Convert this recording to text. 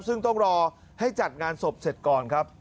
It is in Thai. ซึ่งต้องรอให้จัดงานศพเสร็จก่อนครับ